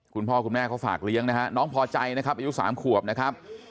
คุณพ่อคุณแม่เขาฝากเลี้ยงนะฮะน้องพอใจนะครับอายุ๓ขวบนะครับ